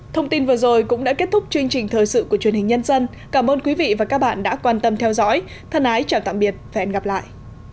thông tin vừa rồi cũng đã kết thúc chương trình thời sự của truyền hình nhân dân cảm ơn quý vị và các bạn đã quan tâm theo dõi thân ái chào tạm biệt và hẹn gặp lại